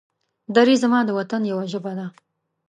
دري زما د وطن يوه ژبه ده.